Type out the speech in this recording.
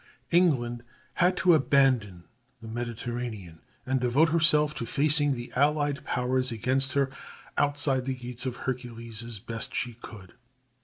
England had to abandon the Mediterranean, and devote herself to facing the allied powers against her outside the Gates of Hercules as best she could.